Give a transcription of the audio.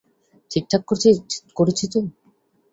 ঠিকঠাক করেছি তো?